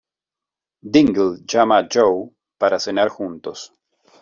Dingle llama a Joe para cenar juntos.